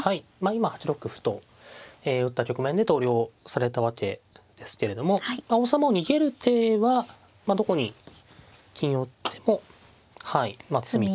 今８六歩と打った局面で投了されたわけですけれども王様を逃げる手はどこに金を打ってもまあ詰みと。